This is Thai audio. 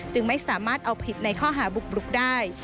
ไม่สามารถเอาผิดในข้อหาบุกรุกได้